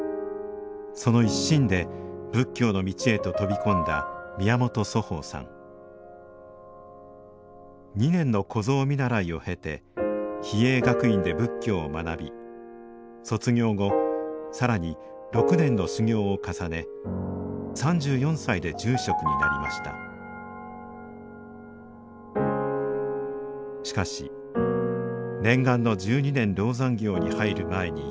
その一心で仏教の道へと飛び込んだ宮本祖豊さん２年の小僧見習いを経て比叡学院で仏教を学び卒業後更に６年の修行を重ねしかし念願の十二年籠山行に入る前に通らなければいけない修行があります